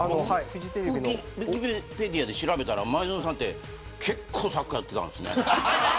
ウィキペディアで調べたら前園さんって結構サッカーやってたんですね。